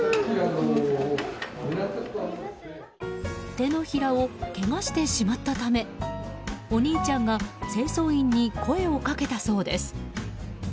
手のひらをけがしてしまったためお兄ちゃんが清掃員に声をかけたそうです。